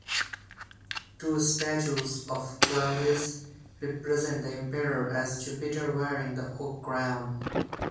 Two statues of Claudius represent the emperor as Jupiter wearing the oak crown.